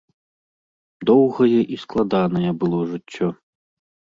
Доўгае і складанае было жыццё.